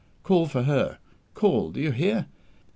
Call for her! call! do you hear?